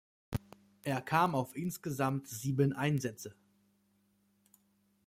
Er kam auf insgesamt sieben Einsätze.